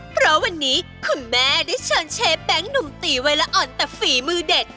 เพราะวันนี้คุณแม่ได้เชิญเชฟแบงค์หนุ่มตีวัยละอ่อนแต่ฝีมือเด็ด